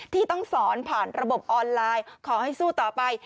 ที่ต้องสอนผ่านระบบออนไลน์ขอให้สู้ต่อไป